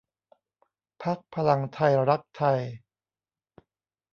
พรรคพลังไทยรักไทย